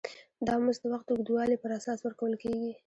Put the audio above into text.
دا مزد د وخت د اوږدوالي پر اساس ورکول کېږي